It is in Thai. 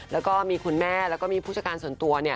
แล้วก็มีคุณแม่แล้วก็มีผู้จัดการส่วนตัว